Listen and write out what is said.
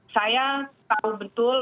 saya tahu betul